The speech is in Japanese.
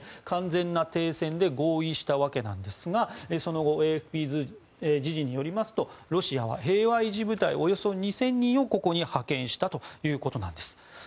完全な停戦で合意したわけなんですがその後、ＡＦＰ時事によりますとロシアは平和維持部隊およそ２０００人をここに派遣したということです。